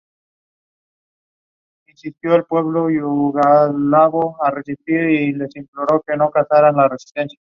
La Virgen es la patrona de Cataluña.